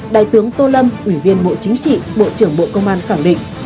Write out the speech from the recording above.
đại tướng tô lâm ủy viên bộ chính trị bộ trưởng bộ công an khẳng định